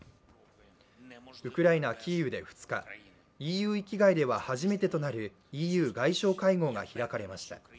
ウクライナ・キーウで２日、ＥＵ域外では初めてとなるＥＵ外相会合が開かれました。